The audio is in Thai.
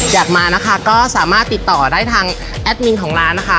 อยากมานะคะก็สามารถติดต่อได้ทางแอดมินของร้านนะคะ